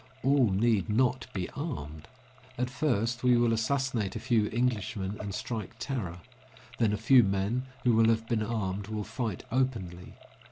All need not be armed. At first, we will assassinate a few Englishmen and strike terror; then a few men who will have been armed will fight openly.